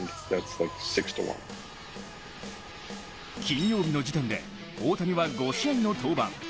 金曜日の時点で大谷は、５試合の登板。